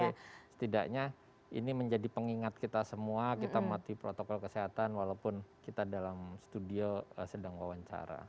tapi setidaknya ini menjadi pengingat kita semua kita mematuhi protokol kesehatan walaupun kita dalam studio sedang wawancara